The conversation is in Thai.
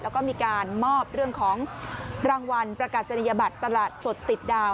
แล้วก็มีการมอบเรื่องของรางวัลประกาศนียบัตรตลาดสดติดดาว